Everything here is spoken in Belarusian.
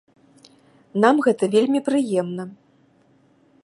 Нам гэта вельмі прыемна.